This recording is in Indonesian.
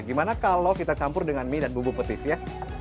gimana kalau kita campur dengan mie dan bumbu petis ya